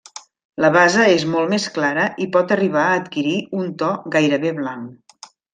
La base és molt més clara i pot arribar a adquirir un to gairebé blanc.